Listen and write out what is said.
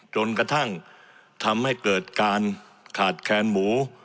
จนกระทั่งทำให้เกิดการขาดแคลนหมู